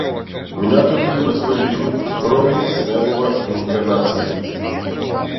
Минатото има свој живот, зборовите се негова инкарнација.